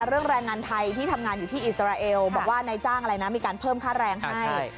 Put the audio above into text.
แรงงานไทยที่ทำงานอยู่ที่อิสราเอลบอกว่านายจ้างอะไรนะมีการเพิ่มค่าแรงให้